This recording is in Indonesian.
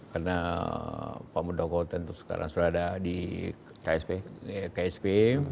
karena pak muldoko tentu sekarang sudah ada di ksp